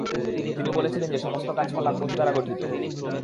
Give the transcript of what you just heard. তিনি বলেছিলেন যে সমস্ত গাছপালা কোষ দ্বারা গঠিত।